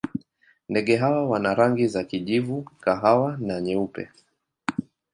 Ndege hawa wana rangi za kijivu, kahawa na nyeupe.